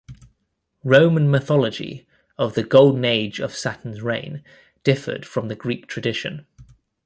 Roman mythology of the Golden Age of Saturn's reign differed from the Greek tradition.